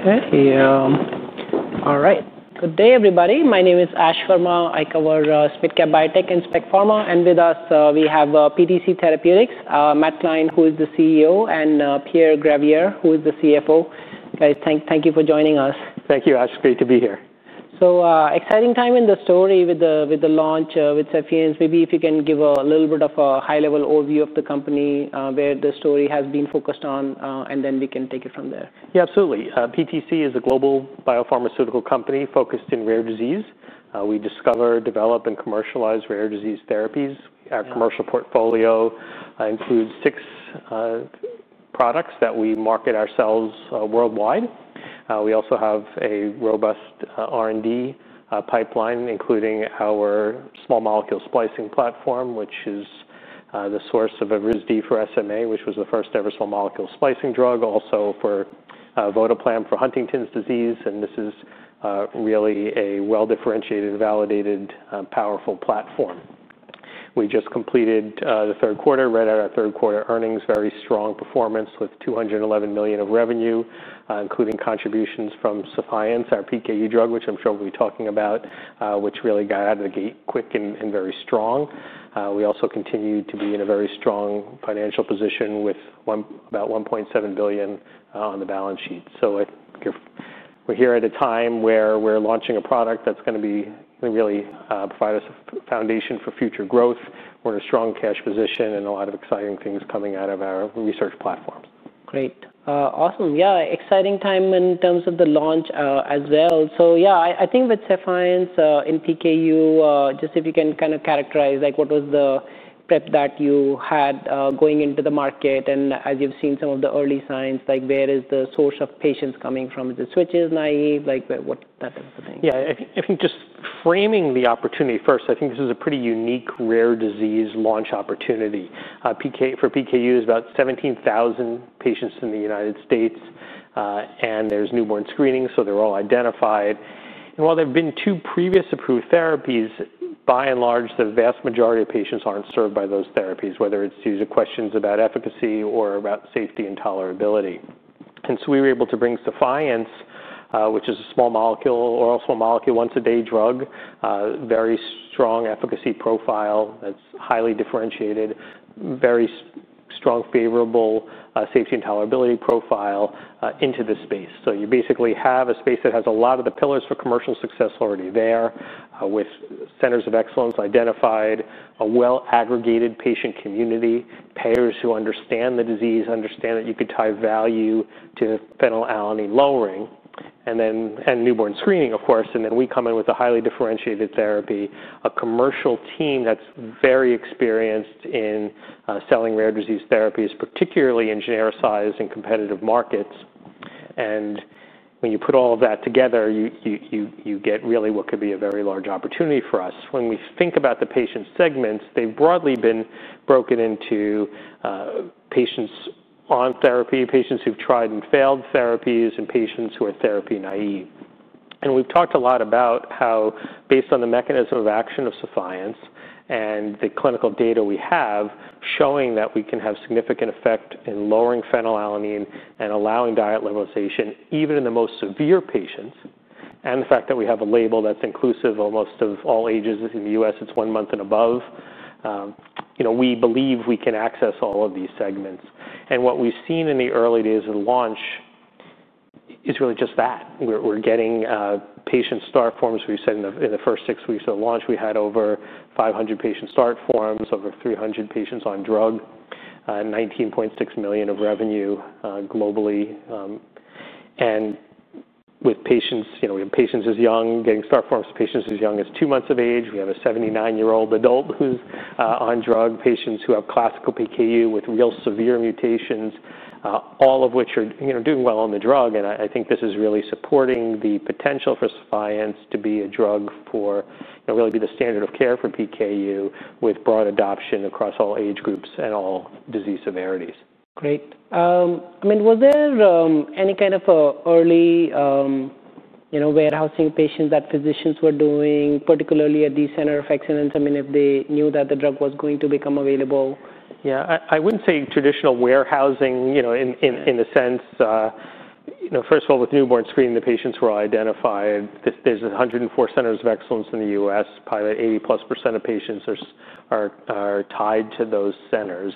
Okay. All right. Good day, everybody. My name is Ash Fermal. I cover SPTC Biotech and SPTC Pharma. And with us, we have PTC Therapeutics, Matt Klein, who is the CEO, and Pierre Gravier, who is the CFO. Guys, thank you for joining us. Thank you, Ash. Great to be here. Exciting time in the story with the launch, with Sephience. Maybe if you can give a little bit of a high-level overview of the company, where the story has been focused on, and then we can take it from there. Yeah, absolutely. PTC is a global biopharmaceutical company focused in rare disease. We discover, develop, and commercialize rare disease therapies. Our commercial portfolio includes six products that we market ourselves worldwide. We also have a robust R&D pipeline, including our small molecule splicing platform, which is the source of Evrysdi for SMA, which was the first-ever small molecule splicing drug, also for Votoplam for Huntington's disease. This is really a well-differentiated, validated, powerful platform. We just completed the third quarter, read out our third quarter earnings, very strong performance with $211 million of revenue, including contributions from Sephience, our PKU drug, which I'm sure we'll be talking about, which really got out of the gate quick and very strong. We also continue to be in a very strong financial position with about $1.7 billion on the balance sheet. I think we're here at a time where we're launching a product that's gonna be really, provide us a foundation for future growth. We're in a strong cash position and a lot of exciting things coming out of our research platforms. Great. Awesome. Yeah, exciting time in terms of the launch, as well. Yeah, I think with Sephience in PKU, just if you can kind of characterize, like, what was the prep that you had going into the market and, as you've seen some of the early signs, like, where is the source of patients coming from? Is it switches, naive? Like, what type of thing? Yeah, I think just framing the opportunity first, I think this is a pretty unique rare disease launch opportunity. PKU is about 17,000 patients in the United States, and there's newborn screening, so they're all identified. While there've been two previous approved therapies, by and large, the vast majority of patients aren't served by those therapies, whether it's due to questions about efficacy or about safety and tolerability. We were able to bring Sephience, which is a small molecule, oral small molecule, once-a-day drug, very strong efficacy profile that's highly differentiated, very strong favorable safety and tolerability profile, into the space. You basically have a space that has a lot of the pillars for commercial success already there, with centers of excellence identified, a well-aggregated patient community, payers who understand the disease, understand that you could tie value to phenylalanine lowering, and then, and newborn screening, of course. Then we come in with a highly differentiated therapy, a commercial team that's very experienced in selling rare disease therapies, particularly in genericized and competitive markets. When you put all of that together, you get really what could be a very large opportunity for us. When we think about the patient segments, they've broadly been broken into patients on therapy, patients who've tried and failed therapies, and patients who are therapy naive. We have talked a lot about how, based on the mechanism of action of Sephience and the clinical data we have, showing that we can have significant effect in lowering phenylalanine and allowing diet liberalization, even in the most severe patients, and the fact that we have a label that is inclusive of almost all ages in the U.S., it is one month and above. You know, we believe we can access all of these segments. What we have seen in the early days of the launch is really just that. We are getting patient start forms. We said in the first six weeks of the launch, we had over 500 patient start forms, over 300 patients on drug, $19.6 million of revenue globally. With patients, you know, we have patients as young getting start forms to patients as young as two months of age. We have a 79-year-old adult who's on drug, patients who have classical PKU with real severe mutations, all of which are, you know, doing well on the drug. I think this is really supporting the potential for Sephience to be a drug for, you know, really be the standard of care for PKU with broad adoption across all age groups and all disease severities. Great. I mean, was there any kind of early, you know, warehousing patients that physicians were doing, particularly at these centers of excellence? I mean, if they knew that the drug was going to become available. Yeah, I wouldn't say traditional warehousing, you know, in a sense, you know, first of all, with newborn screening, the patients were all identified. There are 104 centers of excellence in the U.S., probably 80+% of patients are tied to those centers.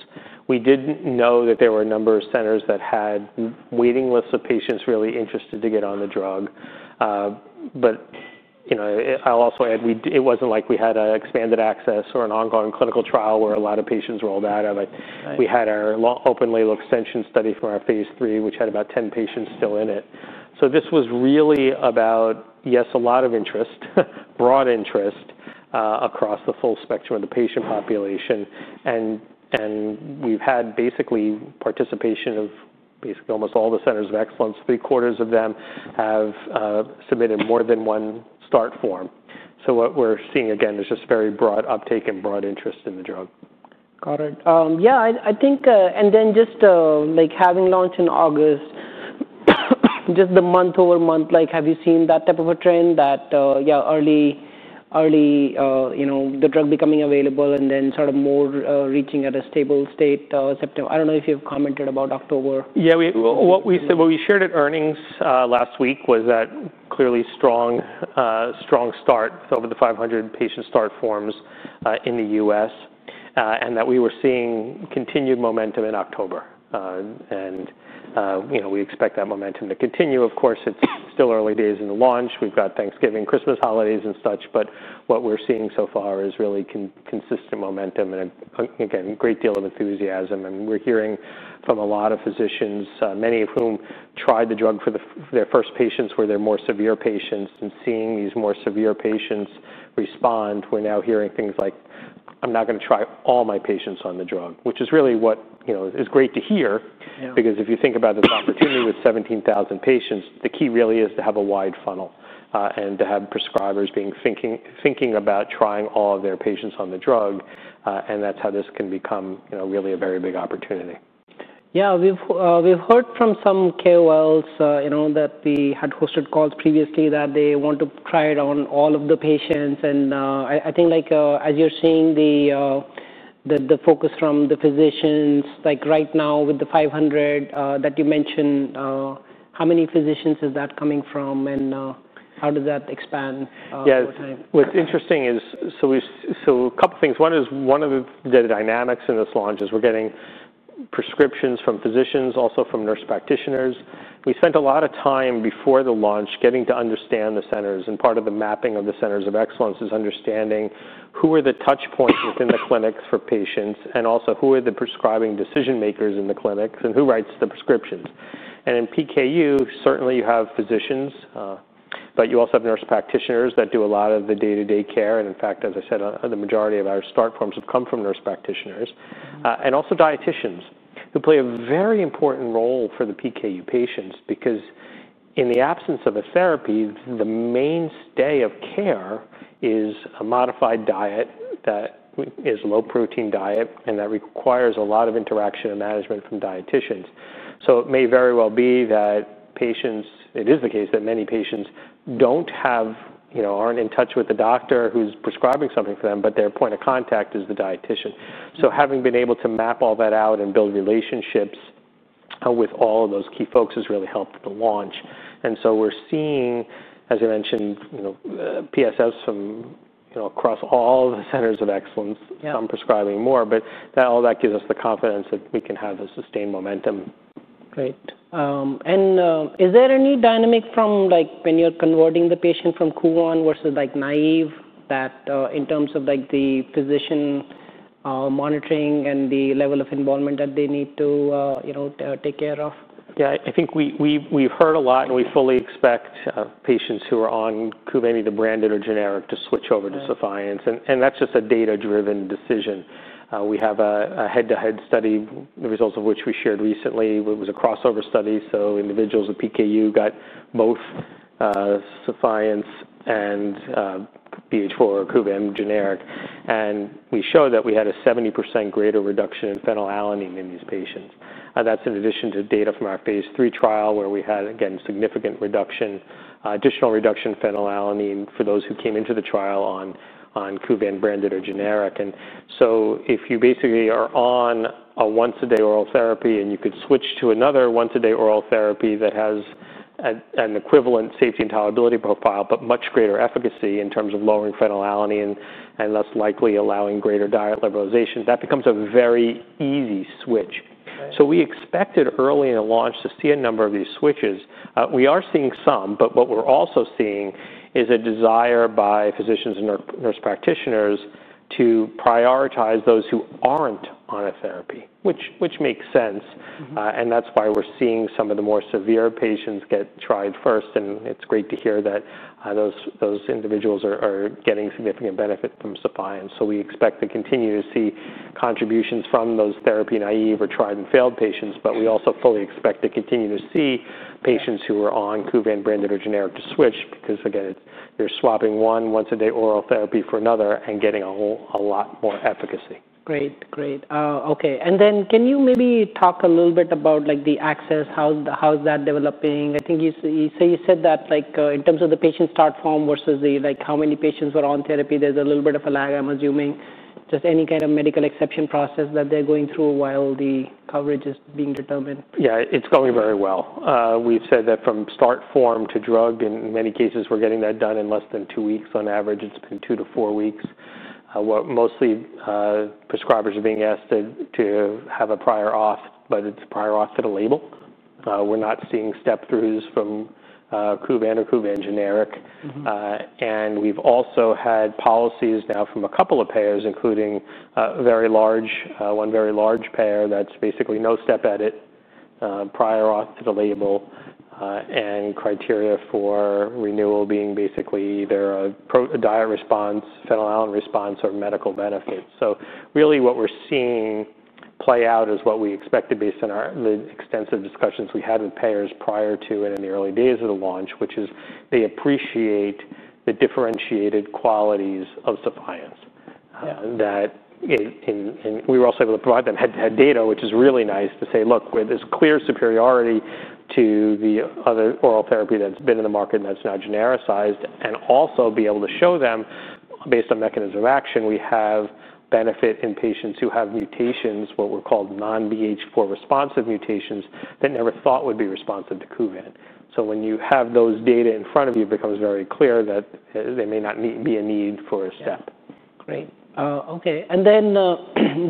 We didn't know that there were a number of centers that had waiting lists of patients really interested to get on the drug. You know, I'll also add, it wasn't like we had expanded access or an ongoing clinical trial where a lot of patients rolled out of it. Right. We had our long open label extension study from our phase three, which had about 10 patients still in it. This was really about, yes, a lot of interest, broad interest, across the full spectrum of the patient population. We have had basically participation of almost all the centers of excellence. Three quarters of them have submitted more than one start form. What we are seeing again is just very broad uptake and broad interest in the drug. Got it. Yeah, I think, and then just, like having launched in August, just the month-over-month, like, have you seen that type of a trend that, yeah, early, early, you know, the drug becoming available and then sort of more, reaching at a stable state, September? I don't know if you've commented about October. Yeah, what we said, what we shared at earnings last week was that clearly strong, strong start, over 500 patient start forms in the U.S., and that we were seeing continued momentum in October. You know, we expect that momentum to continue. Of course, it's still early days in the launch. We've got Thanksgiving, Christmas holidays and such. What we're seeing so far is really consistent momentum and, again, a great deal of enthusiasm. We're hearing from a lot of physicians, many of whom tried the drug for their first patients where they're more severe patients. Seeing these more severe patients respond, we're now hearing things like, "I'm not gonna try all my patients on the drug," which is really what, you know, is great to hear. Yeah. Because if you think about this opportunity with 17,000 patients, the key really is to have a wide funnel, and to have prescribers thinking about trying all of their patients on the drug. You know, that's how this can become, you know, really a very big opportunity. Yeah, we've heard from some KOLs, you know, that they had hosted calls previously that they want to try it on all of the patients. I think, like, as you're seeing the focus from the physicians, like right now with the 500 that you mentioned, how many physicians is that coming from? How does that expand over time? Yes. What's interesting is, so we've, so a couple things. One is one of the data dynamics in this launch is we're getting prescriptions from physicians, also from nurse practitioners. We spent a lot of time before the launch getting to understand the centers. Part of the mapping of the centers of excellence is understanding who are the touch points within the clinics for patients and also who are the prescribing decision-makers in the clinics and who writes the prescriptions. In PKU, certainly you have physicians, but you also have nurse practitioners that do a lot of the day-to-day care. In fact, as I said, the majority of our start forms have come from nurse practitioners, and also dietitians who play a very important role for the PKU patients because in the absence of a therapy, the mainstay of care is a modified diet that is a low-protein diet and that requires a lot of interaction and management from dietitians. It may very well be that patients, it is the case that many patients do not have, you know, are not in touch with the doctor who is prescribing something for them, but their point of contact is the dietitian. Having been able to map all that out and build relationships with all of those key folks has really helped the launch. We are seeing, as I mentioned, you know, PSFs from, you know, across all the centers of excellence. Yeah. Some prescribing more, but all that gives us the confidence that we can have a sustained momentum. Great. And, is there any dynamic from, like, when you're converting the patient from Kuvan versus, like, naive that, in terms of, like, the physician, monitoring and the level of involvement that they need to, you know, take care of? Yeah, I think we, we've heard a lot and we fully expect patients who are on Kuvan, the branded or generic, to switch over to Sephience. And that's just a data-driven decision. We have a head-to-head study, the results of which we shared recently. It was a crossover study. So individuals with PKU got both Sephience and BH4 or Kuvan generic. We showed that we had a 70% greater reduction in phenylalanine in these patients. That's in addition to data from our phase three trial where we had, again, significant reduction, additional reduction in phenylalanine for those who came into the trial on Kuvan branded or generic. If you basically are on a once-a-day oral therapy and you could switch to another once-a-day oral therapy that has an equivalent safety and tolerability profile, but much greater efficacy in terms of lowering phenylalanine and less likely allowing greater diet liberalization, that becomes a very easy switch. Right. We expected early in the launch to see a number of these switches. We are seeing some, but what we're also seeing is a desire by physicians and nurse practitioners to prioritize those who aren't on a therapy, which makes sense. Mm-hmm. That is why we're seeing some of the more severe patients get tried first. It is great to hear that those individuals are getting significant benefit from Sephience. We expect to continue to see contributions from those therapy naive or tried and failed patients, but we also fully expect to continue to see patients who are on Kuvan branded or generic to switch because, again, you are swapping one once-a-day oral therapy for another and getting a whole lot more efficacy. Great. Great. Okay. Can you maybe talk a little bit about, like, the access? How's that developing? I think you said, you said that, like, in terms of the patient start form versus the, like, how many patients were on therapy, there's a little bit of a lag, I'm assuming. Just any kind of medical exception process that they're going through while the coverage is being determined? Yeah, it's going very well. We've said that from start form to drug, in many cases, we're getting that done in less than two weeks. On average, it's been two to four weeks. What mostly, prescribers are being asked to have a prior auth, but it's prior auth to the label. We're not seeing step-throughs from Kuvan or Kuvan generic. Mm-hmm. and we've also had policies now from a couple of payers, including, very large, one very large payer that's basically no step edit, prior auth to the label, and criteria for renewal being basically either a pro, a diet response, phenylalanine response, or medical benefits. Really what we're seeing play out is what we expected based on our, the extensive discussions we had with payers prior to and in the early days of the launch, which is they appreciate the differentiated qualities of Sephience. Yeah. In, we were also able to provide them head-to-head data, which is really nice to say, "Look, with this clear superiority to the other oral therapy that's been in the market and that's now genericized," and also be able to show them based on mechanism of action, we have benefit in patients who have mutations, what were called non-BH4 responsive mutations that never thought would be responsive to Kuvan. So when you have those data in front of you, it becomes very clear that there may not need be a need for a step. Great. Okay. And then,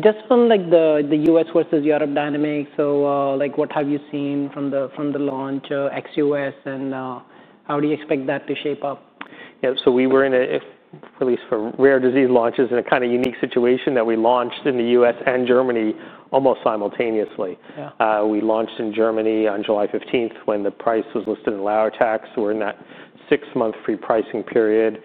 just on, like, the U.S. versus Europe dynamic, so, like, what have you seen from the, from the launch, XUS, and how do you expect that to shape up? Yeah, so we were in a, at least for rare disease launches, in a kind of unique situation that we launched in the U.S. and Germany almost simultaneously. Yeah. We launched in Germany on July 15th when the price was listed in Lauer Tax. We're in that six-month free pricing period.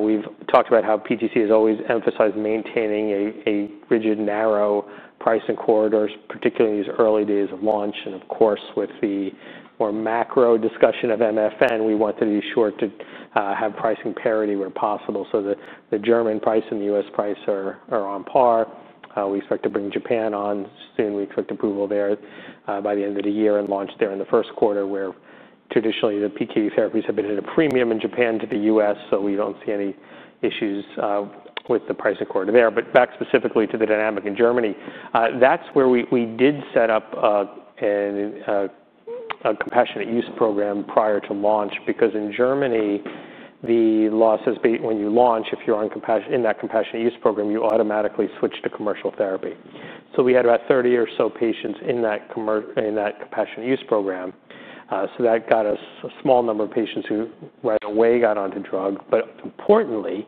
We've talked about how PTC has always emphasized maintaining a rigid, narrow pricing corridor, particularly in these early days of launch. Of course, with the more macro discussion of MFN, we wanted to be sure to have pricing parity where possible so that the German price and the U.S. price are on par. We expect to bring Japan on soon. We expect approval there by the end of the year and launch there in the first quarter where traditionally the PKU therapies have been at a premium in Japan to the US. We do not see any issues with the pricing corridor there. Back specifically to the dynamic in Germany, that's where we did set up a compassionate use program prior to launch because in Germany, the law says when you launch, if you're in that compassionate use program, you automatically switch to commercial therapy. We had about 30 or so patients in that compassionate use program. That got us a small number of patients who right away got onto drug. Importantly,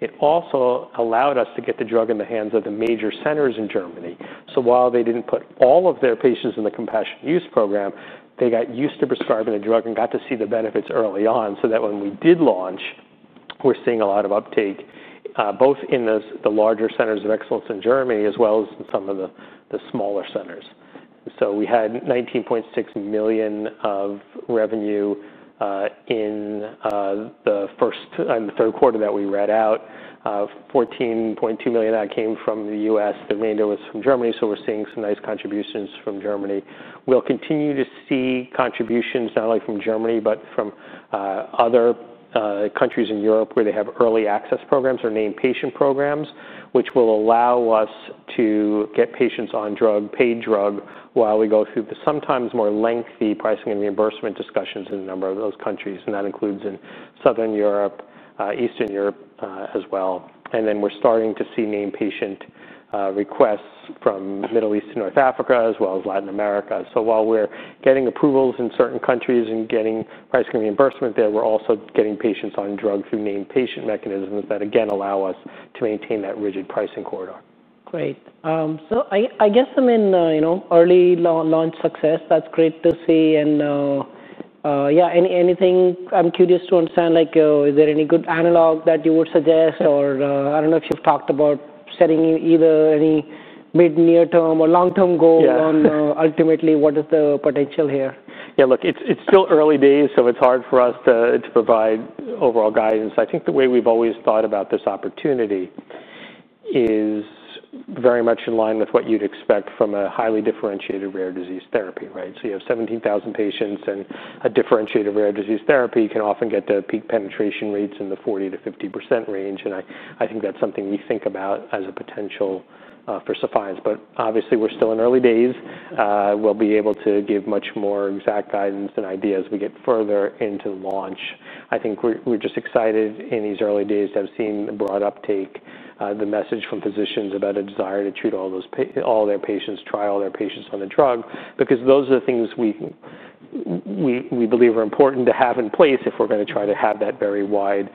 it also allowed us to get the drug in the hands of the major centers in Germany. While they did not put all of their patients in the compassionate use program, they got used to prescribing the drug and got to see the benefits early on so that when we did launch, we are seeing a lot of uptake, both in the larger centers of excellence in Germany as well as in some of the smaller centers. We had $19.6 million of revenue in the first and the third quarter that we read out, $14.2 million of that came from the U.S. The remainder was from Germany. We are seeing some nice contributions from Germany. will continue to see contributions not only from Germany but from other countries in Europe where they have early access programs or named patient programs, which will allow us to get patients on drug, paid drug, while we go through the sometimes more lengthy pricing and reimbursement discussions in a number of those countries. That includes in Southern Europe, Eastern Europe as well. We are starting to see named patient requests from Middle East to North Africa as well as Latin America. While we are getting approvals in certain countries and getting pricing reimbursement there, we are also getting patients on drug through named patient mechanisms that again allow us to maintain that rigid pricing corridor. Great. I guess I'm in, you know, early launch success. That's great to see. Yeah, anything I'm curious to understand, like, is there any good analog that you would suggest or, I don't know if you've talked about setting either any mid-near-term or long-term goal. Yeah. On, ultimately what is the potential here? Yeah, look, it's still early days, so it's hard for us to provide overall guidance. I think the way we've always thought about this opportunity is very much in line with what you'd expect from a highly differentiated rare disease therapy, right? You have 17,000 patients and a differentiated rare disease therapy can often get their peak penetration rates in the 40%-50% range. I think that's something we think about as a potential for Sephience. Obviously, we're still in early days. We will be able to give much more exact guidance and ideas as we get further into the launch. I think we're just excited in these early days to have seen the broad uptake, the message from physicians about a desire to treat all their patients, try all their patients on the drug because those are the things we believe are important to have in place if we're going to try to have that very wide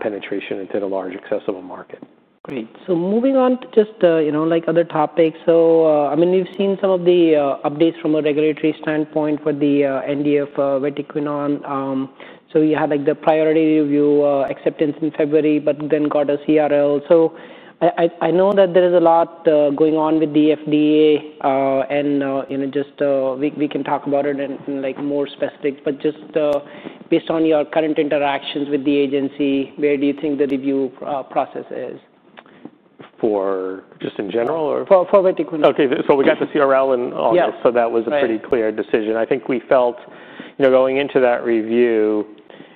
penetration into the large accessible market. Great. Moving on to just, you know, like, other topics. I mean, we've seen some of the updates from a regulatory standpoint for the NDF, vatiquinone. You had, like, the priority review acceptance in February, but then got a CRL. I know that there is a lot going on with the FDA, and, you know, just, we can talk about it in, in, like, more specific. Just, based on your current interactions with the agency, where do you think the review process is? For just in general or? For vatiquinone. Okay. So we got the CRL and all. Yeah. That was a pretty clear decision. I think we felt, you know, going into that review,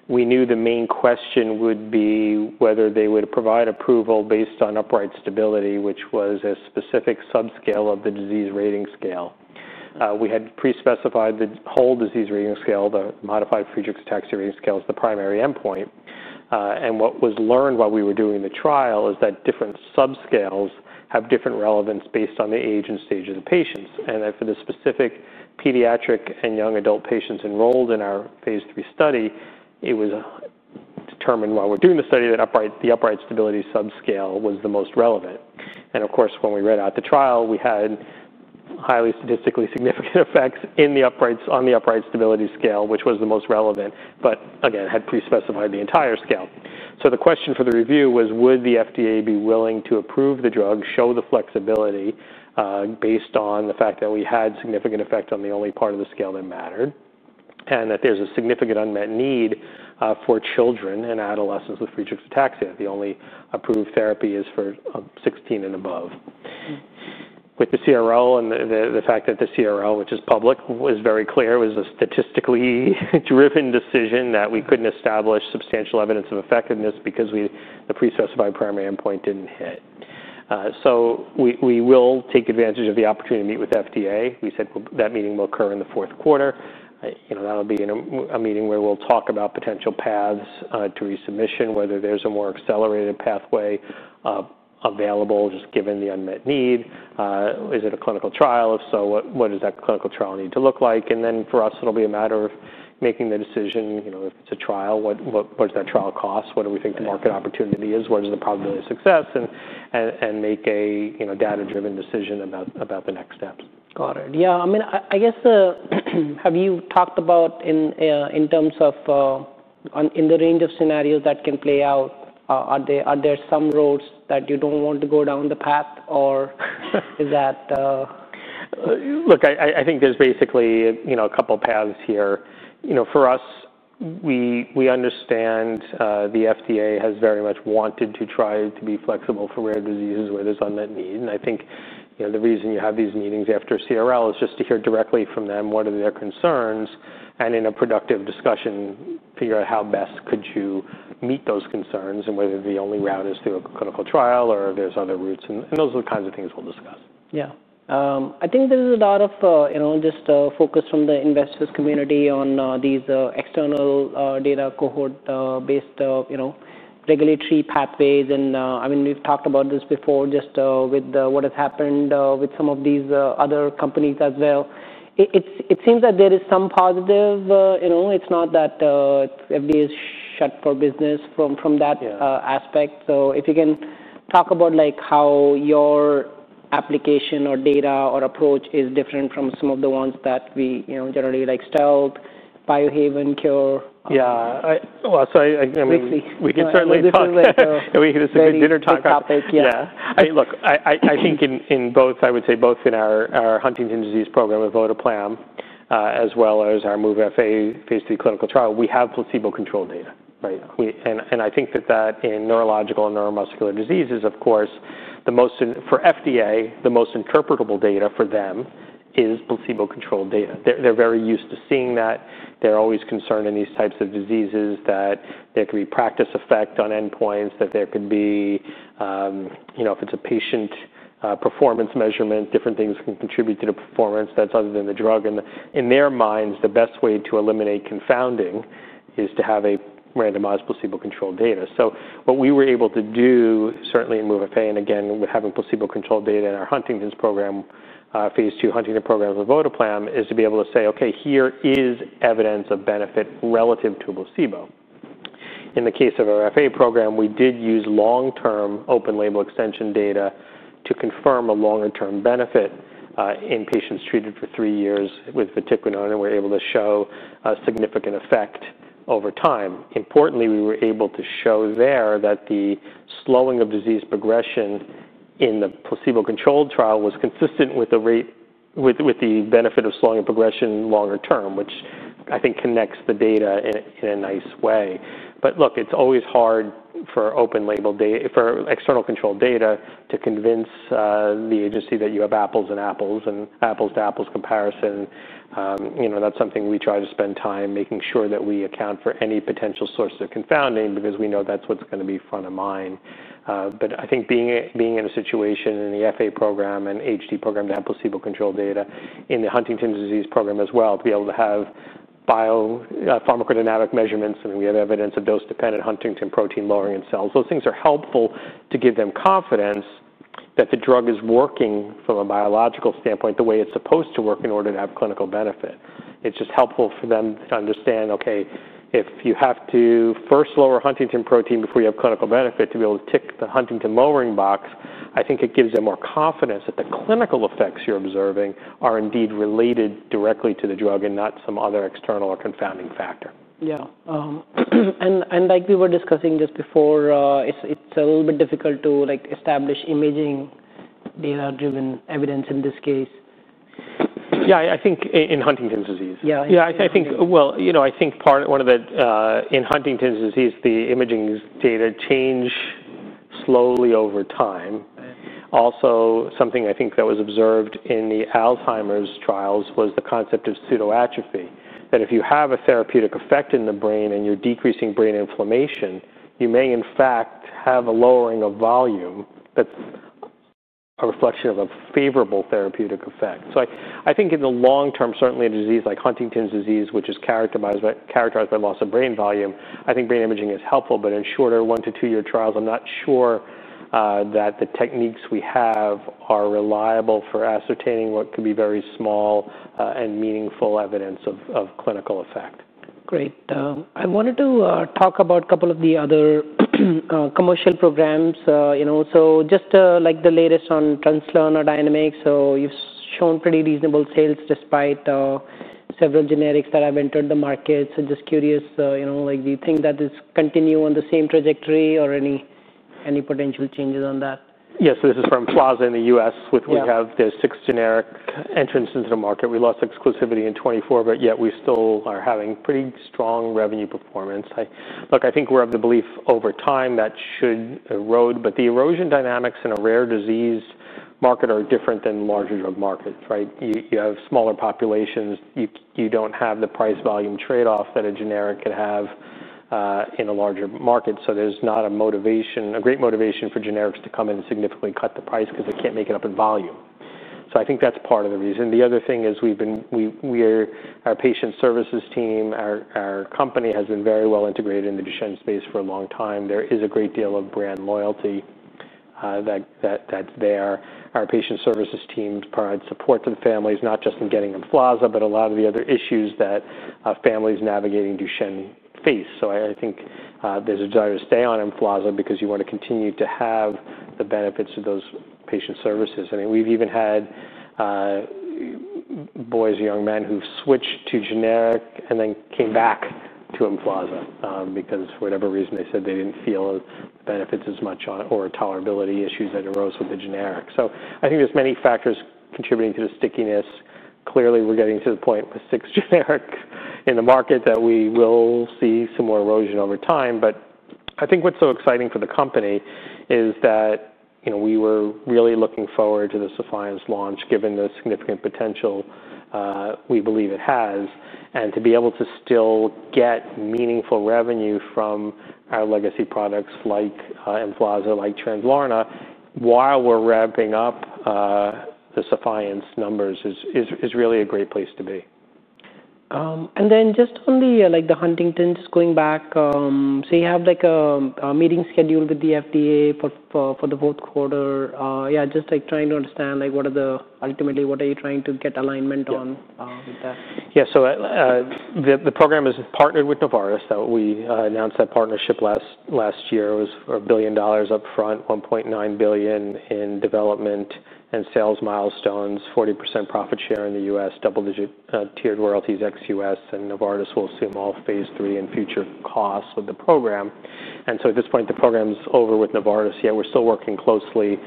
we knew the main question would be whether they would provide approval based on upright stability, which was a specific subscale of the disease rating scale. We had pre-specified the whole disease rating scale, the modified Friedreich's Ataxia Rating Scale, as the primary endpoint. What was learned while we were doing the trial is that different subscales have different relevance based on the age and stage of the patients. For the specific pediatric and young adult patients enrolled in our phase three study, it was determined while we were doing the study that the upright stability subscale was the most relevant. Of course, when we read out the trial, we had highly statistically significant effects on the upright stability scale, which was the most relevant, but again, had pre-specified the entire scale. The question for the review was, would the FDA be willing to approve the drug, show the flexibility, based on the fact that we had significant effect on the only part of the scale that mattered, and that there's a significant unmet need for children and adolescents with Friedreich's ataxia? The only approved therapy is for 16 and above. With the CRL and the fact that the CRL, which is public, was very clear, it was a statistically driven decision that we could not establish substantial evidence of effectiveness because the pre-specified primary endpoint did not hit. We will take advantage of the opportunity to meet with FDA. We said that meeting will occur in the fourth quarter. You know, that'll be in a meeting where we'll talk about potential paths to resubmission, whether there's a more accelerated pathway available just given the unmet need. Is it a clinical trial? If so, what does that clinical trial need to look like? For us, it'll be a matter of making the decision, you know, if it's a trial, what does that trial cost? What do we think the market opportunity is? What is the probability of success? Make a data-driven decision about the next steps. Got it. Yeah. I mean, I guess, have you talked about, in terms of, in the range of scenarios that can play out, are there some roads that you do not want to go down the path or is that, Look, I think there's basically, you know, a couple of paths here. You know, for us, we understand, the FDA has very much wanted to try to be flexible for rare diseases where there's unmet need. I think, you know, the reason you have these meetings after CRL is just to hear directly from them what are their concerns and in a productive discussion, figure out how best could you meet those concerns and whether the only route is through a clinical trial or there's other routes. Those are the kinds of things we'll discuss. Yeah. I think there's a lot of, you know, just focus from the investors' community on these external data cohort-based, you know, regulatory pathways. I mean, we've talked about this before just with what has happened with some of these other companies as well. It seems that there is some positive, you know, it's not that FDA is shut for business from that aspect. If you can talk about, like, how your application or data or approach is different from some of the ones that we, you know, generally, like, Stout, Biohaven, Cure. Yeah. I mean. Briefly. We can certainly talk. Briefly. We can certainly talk. It's a good dinner talk. Topic. Yeah. I mean, look, I think in both, I would say both in our Huntington's disease program with Votoplam, as well as our MOVE-FA phase three clinical trial, we have placebo-controlled data, right? I think that in neurological and neuromuscular disease, of course, for FDA, the most interpretable data for them is placebo-controlled data. They are very used to seeing that. They are always concerned in these types of diseases that there could be practice effect on endpoints, that there could be, you know, if it is a patient performance measurement, different things can contribute to the performance that is other than the drug. In their minds, the best way to eliminate confounding is to have randomized placebo-controlled data. What we were able to do, certainly in MOVE-FA and again, with having placebo-controlled data in our Huntington's program, phase two Huntington's program with Votoplam, is to be able to say, "Okay, here is evidence of benefit relative to placebo." In the case of our FA program, we did use long-term open label extension data to confirm a longer-term benefit, in patients treated for three years with vatiquinone, and we were able to show a significant effect over time. Importantly, we were able to show there that the slowing of disease progression in the placebo-controlled trial was consistent with the rate, with the benefit of slowing of progression longer term, which I think connects the data in a nice way. Look, it's always hard for open label data, for external control data to convince the agency that you have apples to apples comparison. You know, that's something we try to spend time making sure that we account for any potential source of confounding because we know that's what's going to be front of mind. I think being in a situation in the FA program and HD program to have placebo-controlled data in the Huntington's Disease program as well, to be able to have bio, pharmacodynamic measurements, and we have evidence of dose-dependent Huntington protein lowering in cells, those things are helpful to give them confidence that the drug is working from a biological standpoint the way it's supposed to work in order to have clinical benefit. It's just helpful for them to understand, "Okay, if you have to first lower Huntington protein before you have clinical benefit to be able to tick the Huntington lowering box, I think it gives them more confidence that the clinical effects you're observing are indeed related directly to the drug and not some other external or confounding factor. Yeah, and like we were discussing just before, it's a little bit difficult to, like, establish imaging data-driven evidence in this case. Yeah. I think in, in Huntington's disease. Yeah. Yeah. I think, well, you know, I think part of one of the, in Huntington's disease, the imaging data change slowly over time. Also, something I think that was observed in the Alzheimer's trials was the concept of pseudoatrophy, that if you have a therapeutic effect in the brain and you're decreasing brain inflammation, you may in fact have a lowering of volume that's a reflection of a favorable therapeutic effect. I think in the long term, certainly a disease like Huntington's disease, which is characterized by loss of brain volume, I think brain imaging is helpful. In shorter one to two-year trials, I'm not sure that the techniques we have are reliable for ascertaining what could be very small and meaningful evidence of clinical effect. Great. I wanted to talk about a couple of the other commercial programs, you know. Just, like the latest on Translarna dynamics. You have shown pretty reasonable sales despite several generics that have entered the market. Just curious, you know, like, do you think that this continues on the same trajectory or any potential changes on that? Yeah. So this is from Emflaza in the U.S. with. Yeah. We have the six generic entrances into the market. We lost exclusivity in 2024, but yet we still are having pretty strong revenue performance. I, look, I think we're of the belief over time that should erode. The erosion dynamics in a rare disease market are different than larger drug markets, right? You have smaller populations. You don't have the price-volume trade-off that a generic could have in a larger market. There's not a motivation, a great motivation for generics to come in and significantly cut the price because they can't make it up in volume. I think that's part of the reason. The other thing is we've been, our patient services team, our company has been very well integrated in the Duchenne space for a long time. There is a great deal of brand loyalty that's there. Our patient services team provides support to the families, not just in getting Emflaza, but a lot of the other issues that families navigating Duchenne face. I think there's a desire to stay on Emflaza because you want to continue to have the benefits of those patient services. I mean, we've even had boys, young men who've switched to generic and then came back to Emflaza, because for whatever reason they said they didn't feel the benefits as much on or tolerability issues that arose with the generic. I think there's many factors contributing to the stickiness. Clearly, we're getting to the point with six generics in the market that we will see some more erosion over time. I think what's so exciting for the company is that, you know, we were really looking forward to the Sephience launch given the significant potential we believe it has. To be able to still get meaningful revenue from our legacy products like Emflaza, like Translarna, while we're ramping up the Sephience numbers is really a great place to be. and then just on the, like, the Huntington's, just going back, so you have, like, a meeting scheduled with the FDA for the fourth quarter. yeah, just, like, trying to understand, like, what are the ultimately, what are you trying to get alignment on, with that? Yeah. The program is partnered with Novartis. We announced that partnership last year. It was for $1 billion upfront, $1.9 billion in development and sales milestones, 40% profit share in the U.S., double-digit, tiered royalties ex U.S. Novartis will assume all phase three and future costs of the program. At this point, the program's over with Novartis. Yet we're still working closely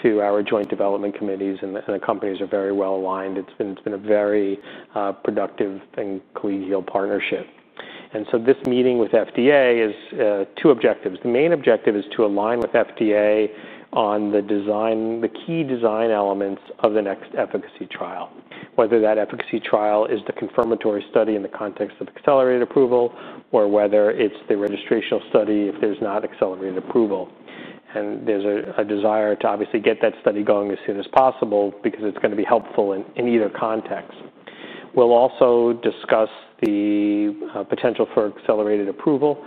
through our joint development committees, and the companies are very well aligned. It's been a very productive and collegial partnership. This meeting with FDA has two objectives. The main objective is to align with FDA on the key design elements of the next efficacy trial, whether that efficacy trial is the confirmatory study in the context of accelerated approval or whether it's the registrational study if there's not accelerated approval. There is a desire to obviously get that study going as soon as possible because it's going to be helpful in either context. We'll also discuss the potential for accelerated approval,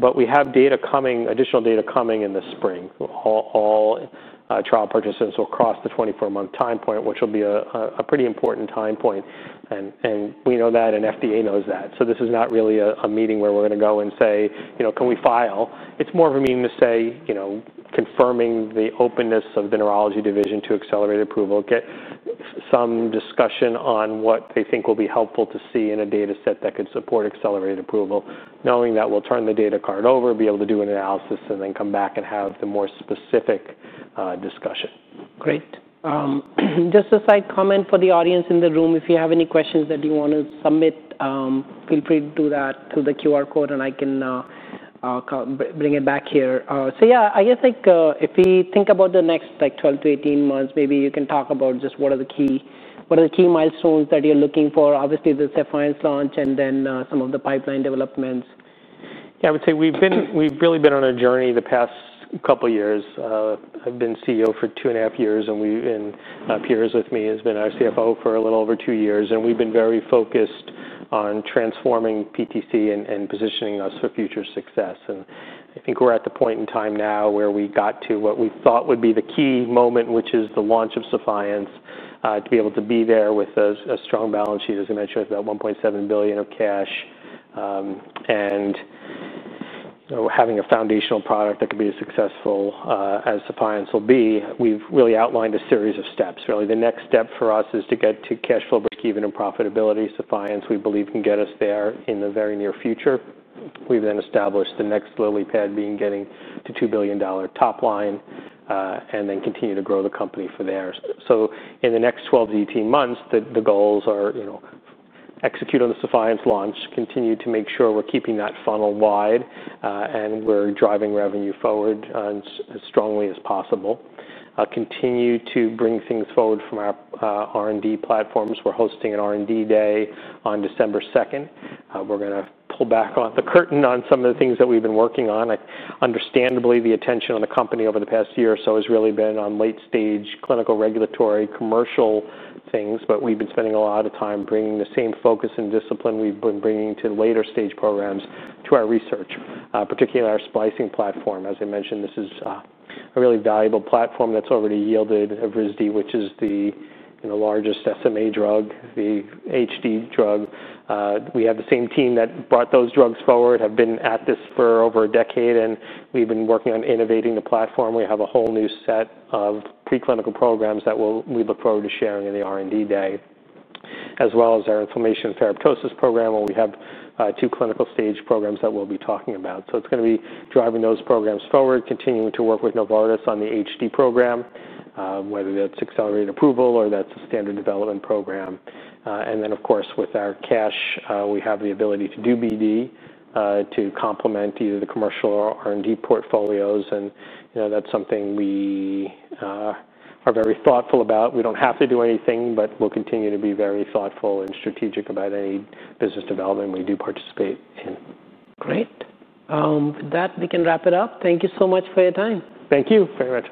but we have data coming, additional data coming in the spring. All trial participants will cross the 24-month time point, which will be a pretty important time point. We know that, and FDA knows that. This is not really a meeting where we're going to go and say, you know, can we file? It's more of a meeting to say, you know, confirming the openness of the neurology division to accelerate approval, get some discussion on what they think will be helpful to see in a data set that could support accelerated approval, knowing that we'll turn the data card over, be able to do an analysis, and then come back and have the more specific discussion. Great. Just a side comment for the audience in the room, if you have any questions that you want to submit, feel free to do that through the QR code, and I can bring it back here. Yeah, I guess, like, if we think about the next, like, 12-18 months, maybe you can talk about just what are the key, what are the key milestones that you're looking for, obviously the Sephience launch and then some of the pipeline developments. Yeah. I would say we've been, we've really been on a journey the past couple of years. I've been CEO for two and a half years, and Pierre with me has been our CFO for a little over two years. We've been very focused on transforming PTC and positioning us for future success. I think we're at the point in time now where we got to what we thought would be the key moment, which is the launch of Sephience, to be able to be there with a strong balance sheet, as I mentioned, with about $1.7 billion of cash, and, you know, having a foundational product that could be as successful as Sephience will be. We've really outlined a series of steps. Really, the next step for us is to get to cash flow breakeven and profitability. Sephience we believe can get us there in the very near future. We've then established the next lily pad being getting to $2 billion top line, and then continue to grow the company from there. In the next 12-18 months, the goals are, you know, execute on the Sephience launch, continue to make sure we're keeping that funnel wide, and we're driving revenue forward as strongly as possible, continue to bring things forward from our R&D platforms. We're hosting an R&D day on December 2nd. We're going to pull back the curtain on some of the things that we've been working on. Understandably, the attention on the company over the past year or so has really been on late-stage clinical, regulatory, commercial things, but we've been spending a lot of time bringing the same focus and discipline we've been bringing to later-stage programs. To our research, particularly our splicing platform. As I mentioned, this is a really valuable platform that's already yielded Evrysdi, which is the, you know, largest SMA drug, the HD drug. We have the same team that brought those drugs forward, have been at this for over a decade, and we've been working on innovating the platform. We have a whole new set of preclinical programs that we'll, we look forward to sharing in the R&D day, as well as our inflammation and fibrosis program. We have two clinical stage programs that we'll be talking about. It is going to be driving those programs forward, continuing to work with Novartis on the HD program, whether that's accelerated approval or that's a standard development program. Of course, with our cash, we have the ability to do BD, to complement either the commercial or R&D portfolios. You know, that's something we are very thoughtful about. We do not have to do anything, but we will continue to be very thoughtful and strategic about any business development we do participate in. Great. With that, we can wrap it up. Thank you so much for your time. Thank you very much.